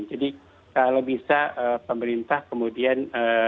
jadi kalau bisa pemerintah kemudian